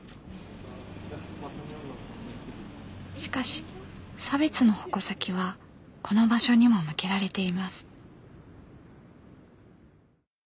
しかし差別の矛先はこの場所にも向けられています。